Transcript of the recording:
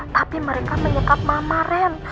tapi mereka menyekap mama ren